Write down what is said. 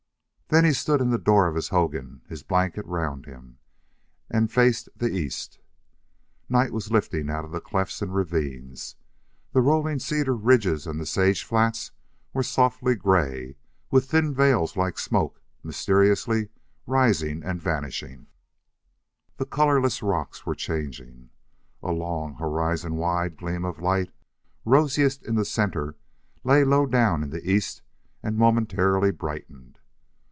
Then he stood in the door of his hogan, his blanket around him, and faced the east. Night was lifting out of the clefts and ravines; the rolling cedar ridges and the sage flats were softly gray, with thin veils like smoke mysteriously rising and vanishing; the colorless rocks were changing. A long, horizon wide gleam of light, rosiest in the center, lay low down in the east and momentarily brightened.